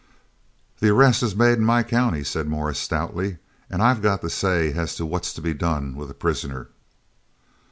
"The arrest is made in my county," said Morris stoutly, "an' I've got the say as to what's to be done with a prisoner."